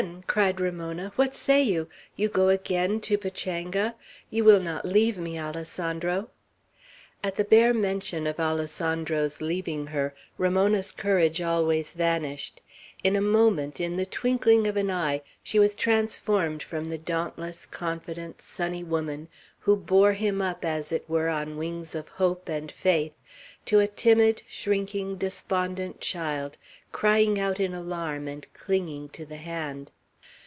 cried Ramona. "What say you? You go again to Pachanga? You will not leave me, Alessandro?" At the bare mention of Alessandro's leaving her, Ramona's courage always vanished. In a moment, in the twinkling of an eye, she was transformed from the dauntless, confident, sunny woman, who bore him up as it were on wings of hope and faith, to a timid, shrinking, despondent child, crying out in alarm, and clinging to the hand.